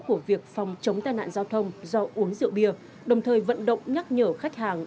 của việc phòng chống tai nạn giao thông do uống rượu bia đồng thời vận động nhắc nhở khách hàng